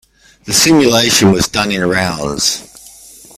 The simulation was done in rounds.